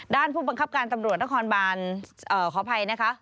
ผู้บังคับการตำรวจนครบานขออภัยนะคะ